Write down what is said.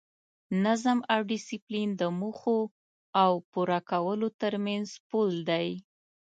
نظم او ډیسپلین د موخو او پوره کولو ترمنځ پل دی.